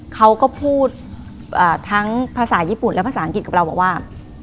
เขาก็พูดทั้งภาษาญี่ปุ่นและภาษาอังกฤษกับเราบอกว่า